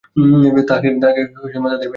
তা খেয়ে তাদের পেট ভরেছে।